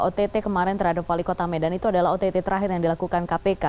ott kemarin terhadap wali kota medan itu adalah ott terakhir yang dilakukan kpk